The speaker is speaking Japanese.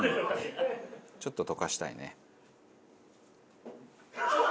ちょっと溶かしたいね。